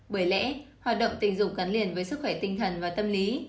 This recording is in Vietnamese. bởi lẽ hoạt động tình dục gắn liền với sức khỏe tinh thần và tâm lý